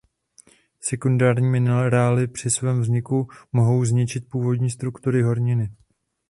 Sekundární minerály při svém vzniku mohou zničit původní struktury horniny.